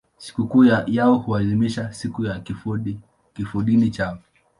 Sikukuu yao huadhimishwa siku ya kifodini chao.